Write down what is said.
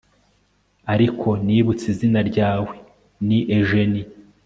ariko nibutse izina ryawe ni eugenie